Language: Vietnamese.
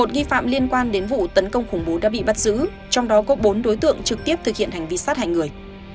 một nghi phạm liên quan đến vụ tấn công khủng bố đã bị bắt giữ trong đó có bốn đối tượng trực tiếp thực hiện hành vi sát hại người